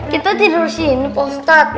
kita tidur sini pak ustadz